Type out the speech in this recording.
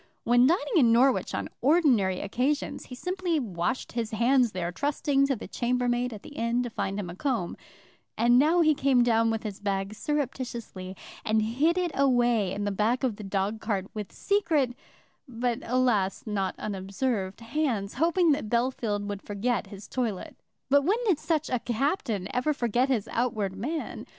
When dining in Norwich on ordinary occasions, he simply washed his hands there, trusting to the chambermaid at the inn to find him a comb; and now he came down with his bag surreptitiously, and hid it away in the back of the dog cart with secret, but alas, not unobserved hands, hoping that Bellfield would forget his toilet. But when did such a Captain ever forget his outward man?